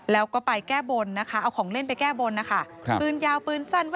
แล้วก็ไปแก้บนนะคะเอาของเล่นไปแก้บนนะคะ